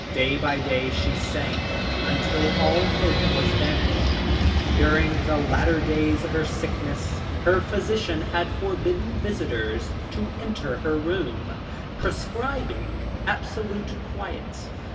Day by day she sank, until all hope was banished. During the latter days of her sickness, her physician had forbidden visitors to enter her room, prescribing absolute quiet.